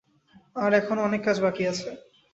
আর এখনো অনেক কাজ বাকি আছে।